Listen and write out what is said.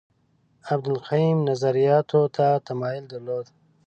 ابن القیم نظریاتو ته تمایل درلود